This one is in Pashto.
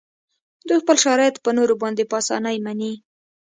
دوی خپل شرایط په نورو باندې په اسانۍ مني